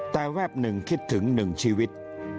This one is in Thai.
แต่แวบหนึ่งคิดถึงหนึ่งชีวิต